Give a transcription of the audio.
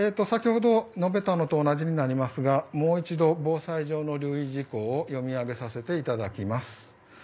先ほど述べたのと同じになりますがもう一度、防災上の留意事項を読み上げさせていただきます。